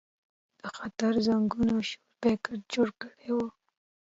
د خطر زنګونو شور بګت جوړ کړی و.